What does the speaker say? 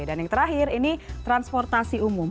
dan yang terakhir ini transportasi umum